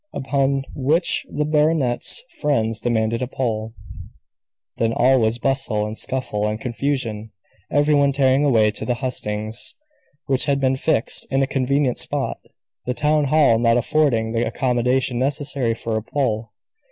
Upon which the baronet's friends demanded a poll. Then all was bustle, and scuffle, and confusion, every one tearing away to the hustings, which had been fixed in a convenient spot, the town hall, not affording the accommodation necessary for a poll.